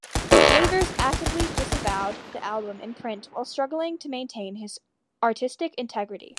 Mavers actively disavowed the album in print while struggling to maintain his artistic integrity.